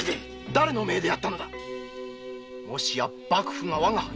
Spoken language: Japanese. だれの命でやったのだもしや幕府が我が藩を。